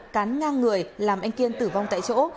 cán ngang người làm anh kiên tử vong tại chỗ